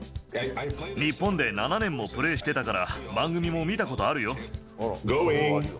日本で７年もプレーしてたから、番組も見たことあるよ。